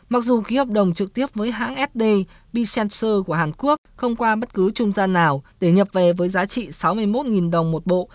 mặc dù ký hợp đồng trực tiếp với hãng sd bcencer của hàn quốc không qua bất cứ trung gian nào để nhập về với giá trị sáu mươi một đồng một bộ